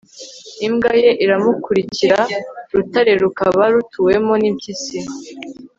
imbwa ye iramukurikira. ... rutare rukaba rutuwemo n'impyisi